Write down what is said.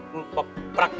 lupa prak men